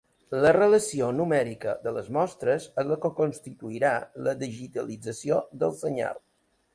La relació numèrica de les mostres és el que constituirà la digitalització del senyal.